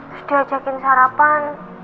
terus diajakin sarapan